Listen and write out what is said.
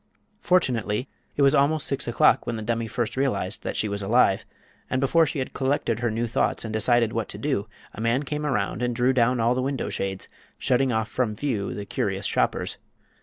Fortunately it was almost six o'clock when the dummy first realized that she was alive, and before she had collected her new thoughts and decided what to do a man came around and drew down all the window shades, shutting off the view from the curious shoppers.